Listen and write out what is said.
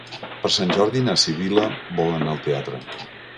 Per Sant Jordi na Sibil·la vol anar al teatre.